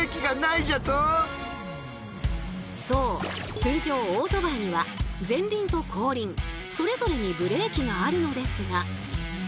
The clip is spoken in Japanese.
通常オートバイには前輪と後輪それぞれにブレーキがあるのですが。